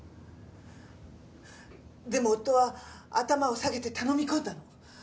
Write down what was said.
でも夫は頭を下げて頼み込んだの。